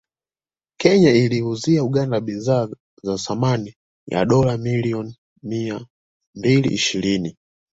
Kenya iliiuzia Uganda bidhaa za thamani ya dola milioni mia mbili ishirini